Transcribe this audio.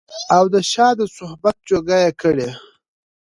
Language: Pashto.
او د شاه د صحبت جوګه يې کړي